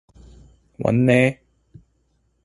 왔네.